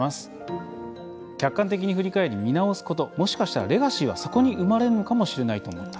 客観的に振り返り、見直すこともしかしたらレガシーはそこに生まれることだと思います。